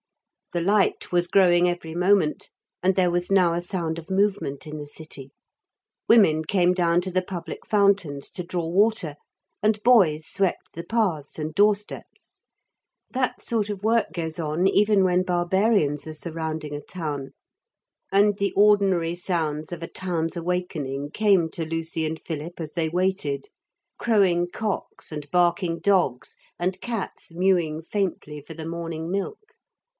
The light was growing every moment, and there was now a sound of movement in the city. Women came down to the public fountains to draw water, and boys swept the paths and doorsteps. That sort of work goes on even when barbarians are surrounding a town. And the ordinary sounds of a town's awakening came to Lucy and Philip as they waited; crowing cocks and barking dogs and cats mewing faintly for the morning milk.